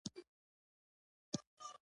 دا پدیده نن سبا مخ په خورېدو ده